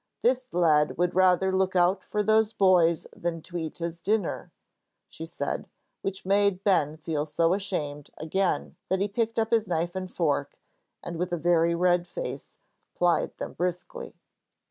"This lad would rather look out for those boys than to eat his dinner," she said, which made Ben feel so ashamed again that he picked up his knife and fork and, with a very red face, plied them briskly.